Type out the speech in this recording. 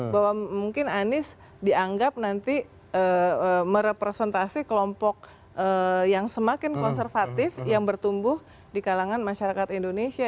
bahwa mungkin anies dianggap nanti merepresentasi kelompok yang semakin konservatif yang bertumbuh di kalangan masyarakat indonesia